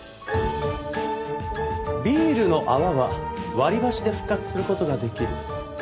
ビールの泡は割り箸で復活する事ができる。